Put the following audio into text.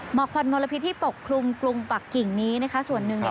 หมอกควันมลพิษที่ปกครุ่งกรุงปักกิ่งนี้ส่วนหนึ่ง